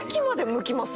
むきます。